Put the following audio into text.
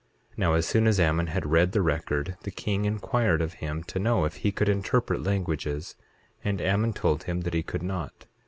8:6 Now, as soon as Ammon had read the record, the king inquired of him to know if he could interpret languages, and Ammon told him that he could not.